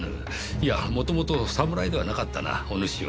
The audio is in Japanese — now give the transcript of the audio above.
いや元々侍ではなかったなおぬしは。